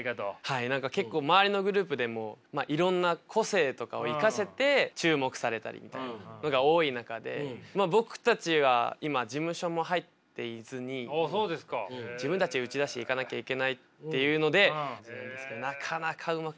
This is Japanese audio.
結構周りのグループでもいろんな個性とかを生かせて注目されたりみたいなのが多い中で僕たちは今事務所も入っていずに自分たちで打ち出していかなきゃいけないっていうのでなかなかうまくいかない。